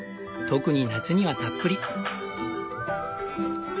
特に夏にはたっぷり。